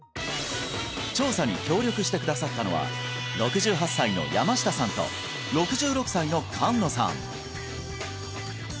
調査に協力してくださったのは６８歳の山下さんと６６歳の菅野さん